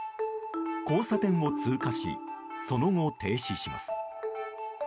交差点を通過しその後、停止します。